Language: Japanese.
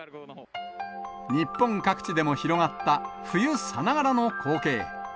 日本各地でも広がった冬さながらの光景。